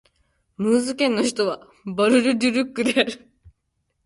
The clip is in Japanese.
ムーズ県の県都はバル＝ル＝デュックである